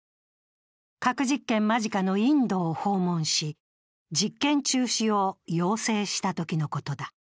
核実験間近のインドを訪問し実験中止を要請したときのことだ。